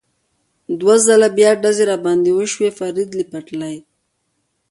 دوه ځله بیا ډزې را باندې وشوې، فرید له پټلۍ.